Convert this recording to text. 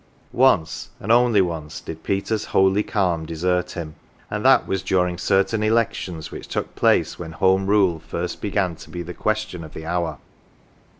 Once, and only once, did Peter's holy calm desert him, and that was during certain elections which took place when Home Rule first began to be the question of the hour.